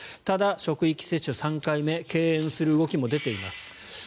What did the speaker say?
ただ、職域接種、３回目敬遠する動きも出ています。